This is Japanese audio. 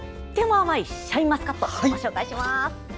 甘いシャインマスカットをご紹介します。